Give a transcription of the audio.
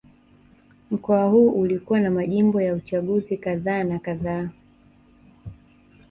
Mkoa huu ulikuwa na majimbo ya uchaguzi kadha na kadha